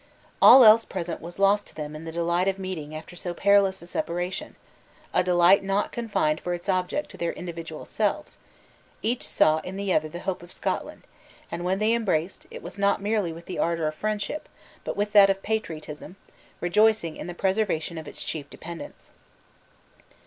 All else present was lost to them in the delight of meeting after so perilous a separation a delight not confined for its object to their individual selves, each saw in the other the hope of Scotland; and when they embraced, it was not merely with the ardor of friendship, but with that of patriotism, rejoicing in the preservation of its chief dependence.